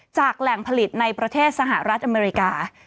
แหล่งผลิตในประเทศสหรัฐอเมริกา